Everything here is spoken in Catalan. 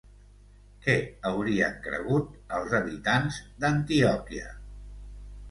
Què haurien cregut els habitants d'Antioquia?